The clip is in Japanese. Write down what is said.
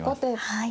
はい。